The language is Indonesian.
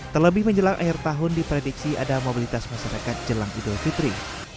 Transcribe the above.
terlebih menjelang akhir tahun diprediksi ada mobilitas masyarakat jelang idul fitri